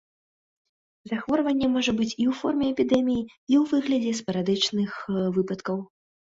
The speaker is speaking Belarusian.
Захворванне можа быць і ў форме эпідэміі, і ў выглядзе спарадычных выпадкаў.